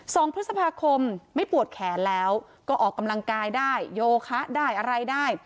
สองพฤษภาคมไม่ปวดแขนแล้วก็ออกกำลังกายได้โยคะได้อะไรได้